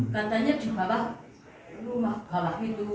katanya di bawah rumah itu